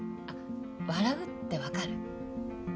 あっ笑うってわかる？